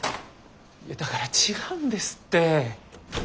だから違うんですって！